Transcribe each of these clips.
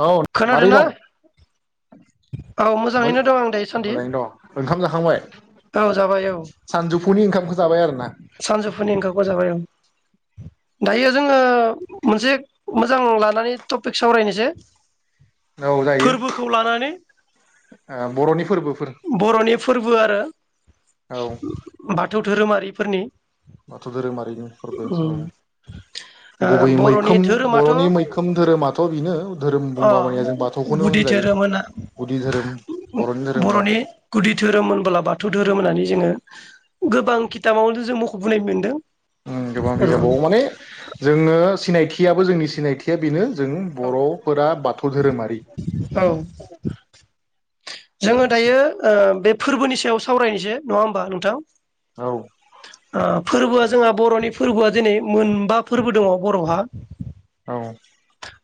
औ खोनादों मारै ना दं औ मोजाङैनो दं आं दायो सान्दि मोजाङैनो दं ओंखाम जाखांबाय औ जाबाय औ। फुंनि ओंखामखौ जाबाय आरो सानजौफुनि ओंखामखौ जाबाय ओं। दायो जोङो मोनसे मोजां लानानै टपिक सावरायनोसै। औ जायो फोरबोखौ लानानै ओ बर'नि फोरबो। बर'नि फोरबो आरो औ बाथौ धोरोमारिफोरनि बाथौ धोरोमारिनि फोरबो औ उम ओ गुबै बर'नि मैखोम धोरोमाथ' बर'नि मैखोम धोरोमाथ' बिनो अ गुदि धोरोम होनना गुदि धोरोम बर'नि धोरोम बा बर'नि गुदि धोरोम होनबोला बाथौ धोरोम। रोम होननानै जोङो गोबां खिताबावनो जों मख'बोनाय मोन्दों। आं गोबां बिजाबाव माने जोङो सिनायथियाबो जोंनि सिनायथिया बेनो जों बर'फोरा बाथौ धोरोमारि। औ जोङो दायो ओ बे फोरबोनि सायाव सावरायनोसै नङा होमबा नोंथां? औ। ओ फोरबोआ जोंहा बर'नि फोरबोआ दिनै मोनबा फोरबो दङ' बर'हा। औ।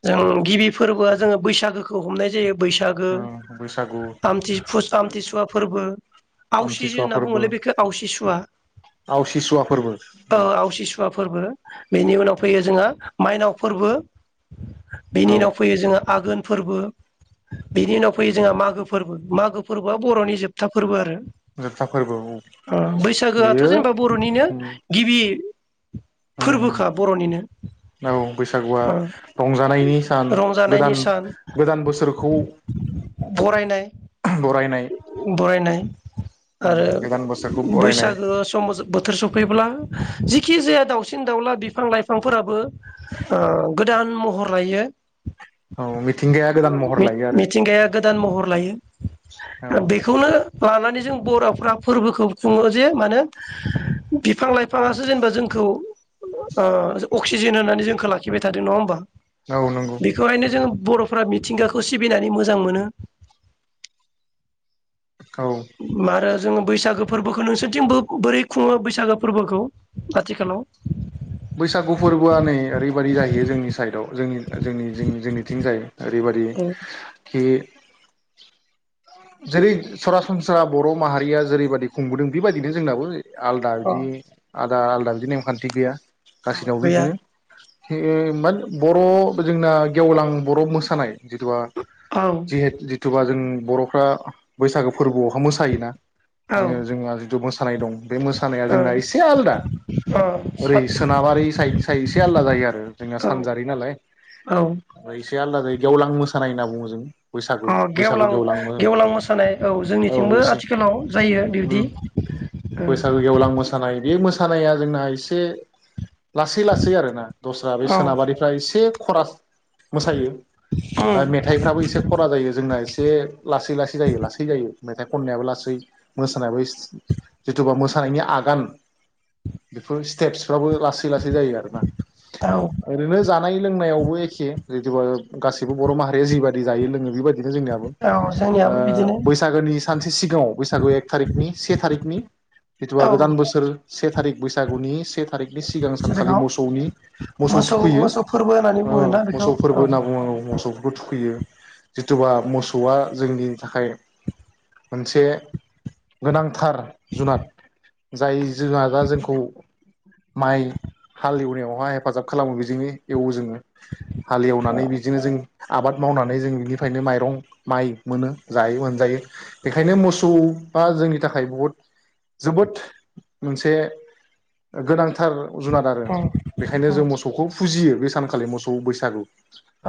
जों गिबि फोरबोआ जोङो बैसागोखौ हमनाय जायो। बैसागो औ बैसागु आमथि फस आमथिसुवा फोरबो आवसि आमथिसुवा होनना फोरबो बुङोलै बेखो आवसि सुवा आवसिसुवा फोरबो ओ आवसि सुवा फोरबो। बेनि उनाव फैयो जोंहा माइनाव फोरबो। बेनि औ उनाव फैयो जोङा आघोन। फोरबो बिनि उनाव फैयो जोंहा मागो फोरबो मागो फोरबोआ बर'नि जोबथा फोरबो आरो। जोबथा फोरबो औ बैसागोआथ' बेयो जेनेबा बर'निनो उम गिबि उम फोरबोखा बर'निनो औ बैसागुआ रंजानायनि सान रंजानायनि गोदान सान गोदान बोसोरखौ बरायनाय बरायनाय बरायनाय उम आरो गोदान बोसोरखौ बरायनाय बैसागो सम बोथोर सफैब्ला जिखि जाया दाउसिन दाउला बिफां लाइफांफोराबो ओ गोद दान महर लायो औ मिथिंगाया गोदान महर मिथ लायो आरो मिथिंगाया गोदान महर लायो औ बेखौनो लानानै जों बर'फ्रा फोरबोखौ खुङो जे मानो बिफां लाइफाङासो जोंनो जोंखौ ओ अक्सिजेन होननानै जोंखो लाखिबाय था थादों नङा होनबा? औ नंगौ बेखौहायनो जों बर' फोरा मिथिंगाखौ सिबिनानै मोजां मोनो। औ। आरो जोङो बैसागो फोरबोखौ नोंसोरनिथिंबो बोरै खुङो बैसागो फोरबोखौ आथिखालाव? बैसागु फोरबोआ नै ओरैबायाददि जाहैयो जोंनि साइडआव जों जोंनि जोंनि जोंनि जोंनिथिं जाय ओरैबादि खि जेरै सरासनस्रा बर' माहारिया जेरैबादि खुंबोदों बेबायदिनो जोंनाबो आलदा बिदि आलदा आलदा बिदि नेमखान्थि गैया औ गासैनावबो गैया बिदिनो मोन बर' जोंना गेवलां बर' मोसानाय जिथुबा औ जेहे जिथुबा जों बर' फोरा बैसागो फोरबोआवहा मोसायोना औ ओ जोङो जोंहा जिथु मोसानाय दं बे मोसानाया जोंना एसे आलदा ओ सा ओरै सोनाबारि साइड साइ एसे आलदा जायो आरो जोंना औ सानजारि नालाय औ फ् एसे आलदा गेवलां मोसानाय होनना बुङो जों बैसागु बैसागु गेवलां मोन लां मोसानाय औ जोंनिथिंबो आथिखालाव जायो बिबदि उम औ खानाया जोंना एसे लासै लासै आरोना दस्रा बे औ सोनाबारिफ्रा एसे खरास मोसायो उम मेथाइफ्राबो एसे खरा जायो जोंना एसे ए लासै लासै लासै जायो लासै जायो मेथाइ खननायाबो लासै मोसानायाबो जिथुबा मोसानायनि आगान बेफोर स्टेप्सफ्राबो लासै लासै जायो आरोना औ ओरैनो जानाय लोंनायावबो एखे जितु गासैबो बर' माहारिया जिबायदि जायो लोङो बेबायदि औ जोंनिआवबो बैसागोनि सानसे सिगाङाव बैसागो एक थारिकनि से थारिखनि जिथुवा औ गोदान बोसोर से थारिख बैसागुनि से थारिखनि सिगां सानखालि जेरगाव मोसौनि मोसौ थुखैयो मोसौ फोरबो होननानै बुङोना बेखौ मोसौ औ फोरबो होनना बुङो मोसौफोरखौ थुख खैयो जिथुबा मोसौआ जोंनि थाखाय मोनसे गोनां थार जुनाद जाय जुनादा जोंखौ माइ हालेव नायावहााय हेफाजाब खालामो बेजोंनो एवो जोङो। औ हालेवनानै बिदिनो जों आबाद मावनानै जों बिनिफ्रायनो माइरं -माइ मोनो। जायो मोनजायो बेखायनो मोसौआ जोंनि थाखाय बहुद जोबोद मोनसे गोनांथ -थार जुनाद आरो उम बेखायनो जों उम मोसौखौ फुजियो। बे सानखालि मोसौ बैसागु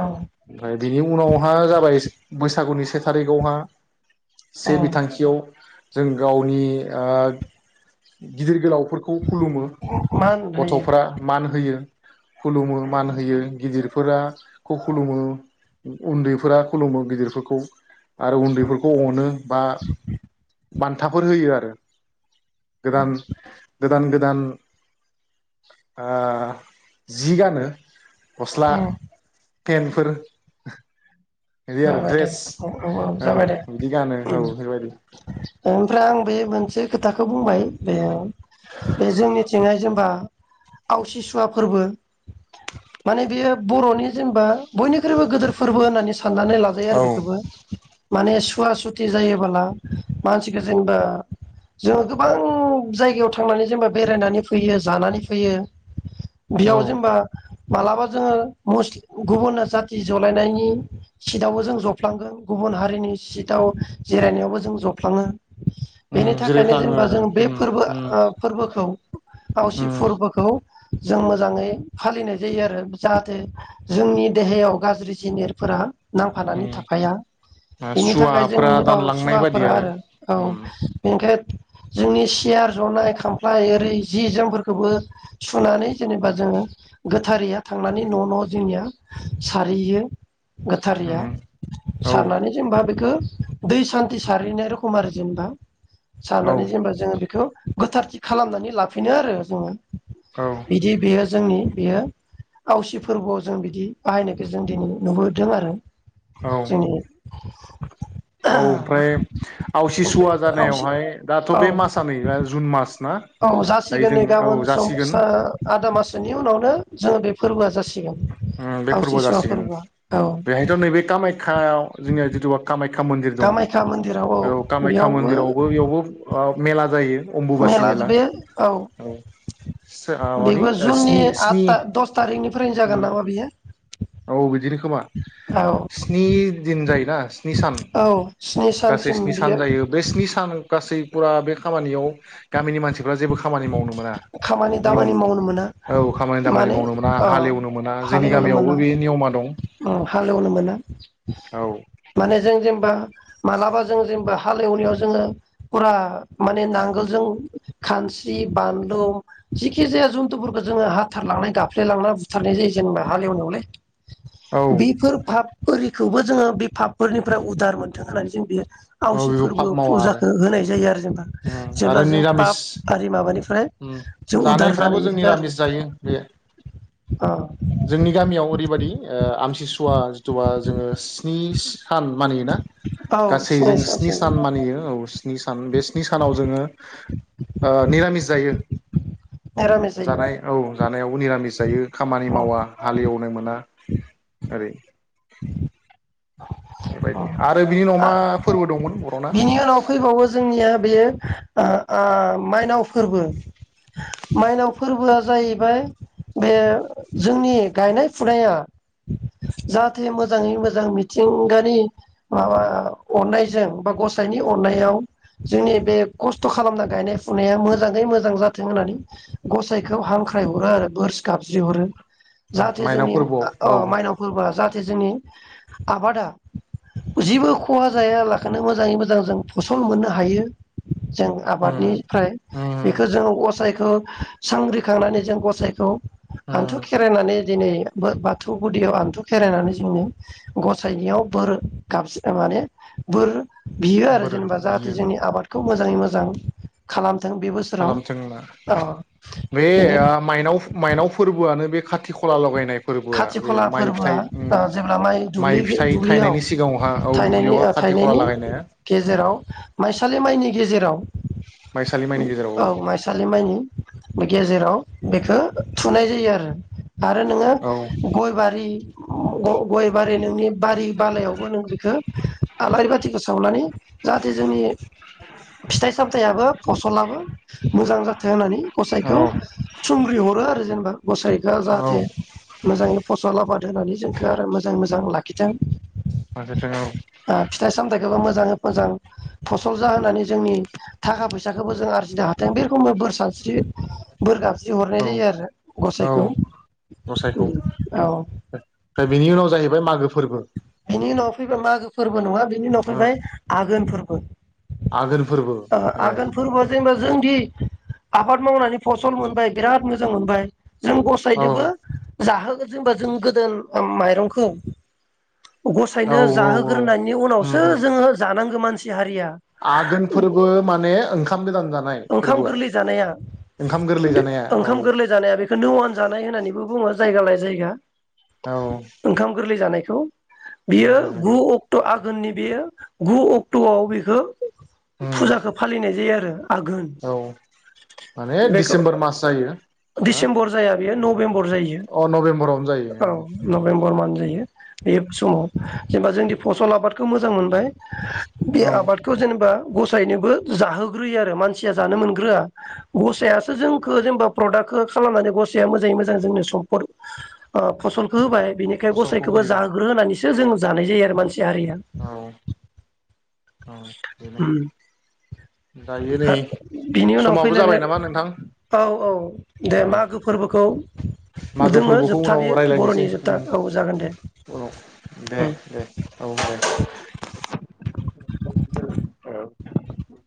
औ बिनि उ उनावहा जाबाय बैसागुनि सेथा -दहा औ से बिथांखियाव जों गावनि गिदिर गोलाव फोरखौ खुलुमो मा होनोथायो गथ'फोरा मान होयो। खुलुमो मान होयो गिदिरफोराखौ खुलुमो उन्दैफोरा खुलुमो गिदिरफोरखौ। आरो उन्दैफोरखौ अनो बा बान्थाफोर होयो आरो। गोदान गोदान गोदान ओ जि गानो गस्ला उम फेनफोर जाबाय दे औ औ औ जाबाय दे बिदि गानो ओन औ बेबायदि ओमफ्राय आं बे मोनसे खोथाखौ बुंबाय बे बे जोंनिथिंहाय जेनेबा आवसिसुवा फोरबो माने बेयो बर'नि जेनेबा बयनिख्रुइबो गोदोर फोरबो होननानै सान साननानै लाजायो आरो औ बेखौबो माने सुवा-सुथि जायोबोला मानसिख जेनेबा जोङो गोबां जायगायाव थांनानै जेनेबा बेरायनानै फैयो जानानै फैयो बेयाव औ जेनेबा मालाबा जोङो मुस गुबुन जाथि जलायनायनि सिटआवबो जों जफ्लांगोन गुबुन हारिनि सिटआव जिरायनायावबो जों जफ्लाङो बेनि उम थाखायनो जिरायफ्लाङो जेनेबा आरो जों बे उम फोरबो उम ओ फोरबोखौ आवसि उम फोरबोखौ जों मोजाङै फालिनाय जायो आरो जाहाथे जोंनि देहायाव गाज्रि जिनिरफोरा नांफानानै उम थाफाया ओ बेनि थाखाय सुवाफोरा जोंनि औ दानलांनाय बादि सुवाफोरा आरो औ उम बेनिखाय जोंनि सियार जनाय खामफ्लाय ओरै जि जोमफोरखौबो सुनानै जेनेबा जोङो गोथारैया थांनानै न' न' जोंनिया सारहैयो। गोथारिया उम औ सारनानै जों बै खौ दै सान्थि सारहैनाय रखम आरो जेनेबा। औ सारनानै जेनेबा जोङो बेखौ गोथारथि खालामनानै लाफिनो आरो जोङो औ बिदि बेयो जोंनि बियो आवसि फोरबोआव जों बिदि बाहायनायखौ जों दिनै नुबो दों आरो औ औ ओमफ्राय आवसि सुवा आवसि जानायावहाय दाथ' औ बे मासआ न जुन मास ना औ दायो जासिगोन जों नै औ गाबोन जासिगोन सम आदा मास सोनि उनावनो जोङो बे फोरबोआ जासि ओम बे फोरबोआव जासिगोन औ बेहायथ' नैबे कामाख्याव जोंनिया जिथु कामाखया खा मन्दिर दं कामाख्या मन्दिराव औ कामाख्या बेयावबो मन्दिरावबो बेयावबो आव मेला जायो मेला बे औ सो ओ मानि बेबो जुननि आ दस थारिखनिफ्रायनो जा ओम औ बिदिनो खोमा औ स्नि दिन जायोना स्नि सान औ स्नि गासै सानसिम स्नि बियो सान जायो बे स्नि सान गासै फुरा बे खामानियाव गामिनि मानसिफ्रा जेबो खामानि मावनो मोना खामानि नियम दामानि मावनो मोना औ खामानि दामानि माने मावनो मोना हालेवनो मोना जोंनि गामियावबो बे नियमा दं औ हालेवनो मोना औ माने जों जेनबा मालाबा जों जेनेबा हालेवनायाव जोङो फुरा माने नांगोलजों खानस्रि बानलु जिखि जाया जन्थुफोरखौ जोङो हाथारलांनाय गाफ्लाय लांना बुथारनाय जायो जेनेबा हालेवनायावलै औ बेफोर फाब ओरिखौबो जोङो बे पााबफोरनिफ्राय उदार मोनथों होननानै जों बियो औ आवसि बेखौ फाब फोरबो मावा आरो फुजाखौ होनाय जायो आरो जेनेबा उम आरो जेब्ला जों निरामिस पाप आरि माबानिफ्राय उम जों उदार जानायफ्राबो जानायनिखौ आरो जोंनमिरामिस जायो बे औ जोंनि गामियाव ओरैबायदि ओ आमथिसुवा जिथुबा जोङो स्नि सान मानियोना औ गासै सिनाय जों स्नि सानसै सान मानियो औ सान बे स्नि सानाव जोङो ओ निरामिस जायो। निरामिस जायो जानाय औ जानायावबो निरामिस। जायो। खामानि मावा हालेव नो मोना ओरै अ बेबायदि आरो बिनि उनाव अ मा फोरबो दंमोन? बर'ना बिनि उनाव फैबावो जोंनिया बेयो आ आ माइनाव फोरबो माइनाव फोरबोआ जाहैबाय बे जोंनि गायनाय फुनाया जाहाथे मोजाङै मोजां मिथिंगानि माबा अननायजों बा गसाइनि अननायाव जोंनि बे खस्थ' खालामना गायनाय फुनाया मोजाङै मोजां जाथों होननानै गसाइखौ हांख्रायहरो आरो बोर गाबज्रि हरो। जाहाथे माइनाव जोंनि फोरबोआव अ औ उम माइनाव फोरबोआ जाहाथे जोंनि आबादा जेबो खहा जायाला बेखोनो मोजाङै मोजां जों फसल मोननो हायो। जों आबादनिफ्राय उम बेखौ जों असायखौ सांग्रिखांनानै जों गसाइखौ हानथु उम खेरायनानै दिनै बाथौ गुदियाव हान्थु खेरायनानै जोङो गसाइनियाव बोर गाबजि माने बोर बियो आरो बोर जेनेबा जाहाथे बियो जोंनि आबादखौ खौ मोजाङै मोजां खालाम खालामथों होनना बे बेनि माइनाव माइनाव फोरबोआनो बे खाथि खला लगायनाय फोरबोआ खाथि बे खला माइ फोरबोआ फिथाइ उम जेब्ला माइ फिथाइ दुब्लियाव थायनायनि सिगाङावहा औ थायनायनि दुब्लियावहा खाथि खला थायनायनि लागायनाया गेजेराव माइसालि माइनि गेजेराव माइ स औ माइसालि माइनि गेजेराव बेखौ थुनाय जायो आरो। आरो नोङो औ गय बारि गयबारिनो नोंनि बारि बालायावबो नों बेखो आलारि बाथिखौ सावनानै जाहाथे जोंनि फिथाइ सामथायाबो फसलाबो मोजां जाथों होननानै औ गसाइखौ सुंग्रि हरो आरो जेनेबा गसाखौ औ जाहाथे औ मोजाङै फसल आबाद होनानै जोंखौ आरो मोजां मोजां लाखिथों फारसेथिं औ फिथाइ सामथायखौबो मो मोजाङै मोजां फसल जा होनानै जोंनि थाखा फैसाखौबो जों आर जिनो हाथों बे रखमबो बोर सानस्रि बोर गाबस्रि हरनाय जायो आरो गसाइखौ गसायखौ औ ओमफ्राय बेनि उनाव जाय मागो फोरबो बिनि उनाव फैबा मागो फोरबो नङा उनाव फैबाय आघोनफोर औ [unintelligible] आगोल ओ आगोनफोरबोआ जेनेबा जोंनि आबाद मावनानै फसल मोनबाय बिराद मोजां मोनबाय जों औ गसायदोबो जाहोगोन जेनबा जों गोदो माइरंखो औ गसायनो औ जाहोग्रोनायनि उम उनावसो उम जोङो जानांगौ मान आघोन फोरबो माने ओं खामगोजान ओंखाम गोरलै जानाया ओंखाम गोरलै जानाया औ ओंखाम गोरलै जानाया बेखौ नवान जानाय होननानैबो बुङो। जायगा लाय जायगा औ ओंखाम गोरलै जानायखौ औ बियो गु अक्ट' आ आघोननि बेयो गु अक्ट'आव बेखो उम फुजाखौ फालिनाय जायो आरो आघोन औ माने बेखौ डिसेम्बर मास जायो ना डिसेम्बर जाया बेयो नभेम्बर अ नभेम्बरावनो जायो औ जायो नभेम्बर मान जायो बे समाव जेनेबा जोंनि फसल आबादखौ मोजां मोनबाय बे औ आबादखौ जेनेबा गसायनोबो जाहोग्रोयो आरो आरो मानसिया जानो मोनग्रोआ गसाइयासो जोंखौ जेनेबा प्रदाक्टखौ खालामनानै गसाया मोजाङै मोजां जोंनो सम्पद फसलखौ होबाय बिनिखाय फसलखौ गसाइखौबो होयो जाहोग्रो होनानैसो सो जों जानाय जायो आरो मानसि हारिया औ औ बेनो दायो नै आ बिनि उनाव समाबो जाबाय फैलायबाय नामा नोंथां औ औ दे औ मागो फोरबोखौ मागो जोङो फोरबोखौ जोबथा उनाव बेयो रायज्लायनोसै बर'नि जोबथा उम औ जागोन दे उनाव दे दे औ दे औ